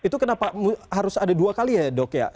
itu kenapa harus ada dua kali ya dok ya